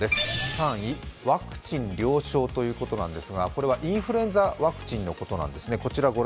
３位、ワクチン了承ということなんですが、これはインフルエンザワクチンのことなんですね。